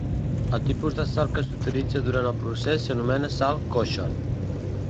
El tipus de sal que s'utilitza durant el procés s'anomena sal kosher.